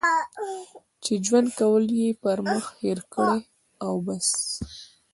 چې ژوند کول یې پر مخ هېر کړي او بس.